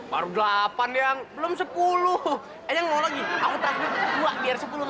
baru delapan yang belum sepuluh